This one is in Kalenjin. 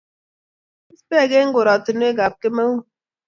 Koketai kebis beek eng' koratinwek ab kemeut